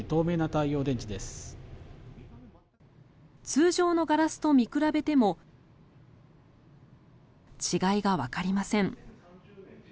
通常のガラスと見比べても違いがわかりません。